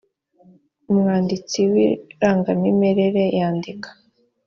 umwanditsi w irangamimerere yandika